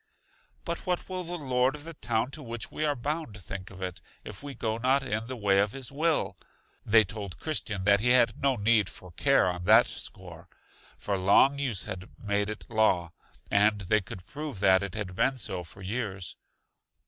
But what will the Lord of the town to which we are bound think of it, if we go not in the way of his will? They told Christian that he had no need for care on that score, for long use had made it law, and they could prove that it had been so for years.